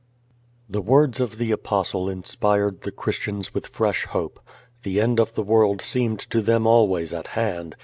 The words of the Apostle inspired the Christians with fresh hope. The end of the world seemed to them always at hand.